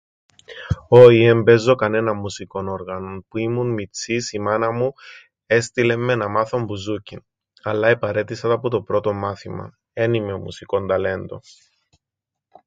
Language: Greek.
Όι, εν παίζω κανέναν μουσικόν όργανον. Που ήμουν μιτσής, η μάνα μου έστειλεν με να μάθω μπουζούκκιν, αλλά επαραίτησα τα που το πρώτον μάθημαν. Εν είμαι μουσικόν ταλέντον.